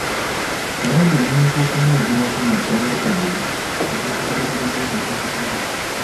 Kirungi omuntu okumwogerako naddala ebyo ebikwatagana n'ekyo ky'asaba.